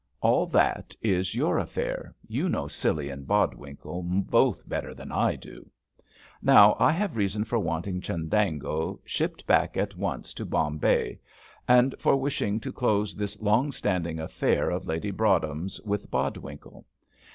All that is your affair you know Scilly and Bodwinkle both better than I do. Now I have reasons for wanting Chundango shipped back at once to Bombay, and for wishing to close this long standing affair of Lady Broadhem's with Bodwinkle.